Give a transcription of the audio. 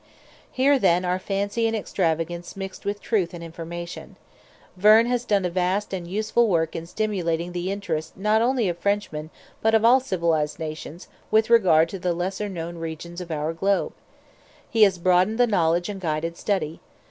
Here then are fancy and extravagance mixed with truth and information. Verne has done a vast and useful work in stimulating the interest not only of Frenchmen but of all civilised nations, with regard to the lesser known regions of our globe. He has broadened knowledge and guided study.